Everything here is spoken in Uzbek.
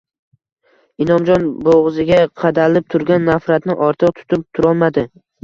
Inomjon bo`g`ziga qadalib turgan nafratni ortiq tutib turolmadi